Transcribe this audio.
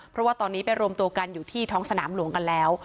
เพราะว่าตอนนี้ไปรวมตัวกันอยู่ที่ท้องสนามหลวงกันแล้ว